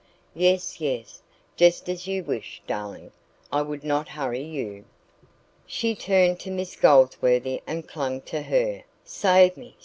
"Yes, yes; just as you wish, darling. I would not hurry you." She turned to Miss Goldsworthy and clung to her. "Save me!